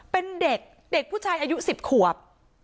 เป็นเด็กเด็กผู้ชายอายุ๑๐ขวบ